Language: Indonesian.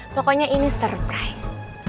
pokoknya ini surprise